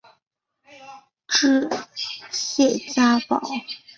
治谢家堡。